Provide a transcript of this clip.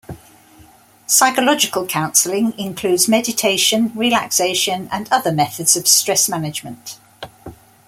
Psychological counseling includes meditation, relaxation, and other methods of stress management.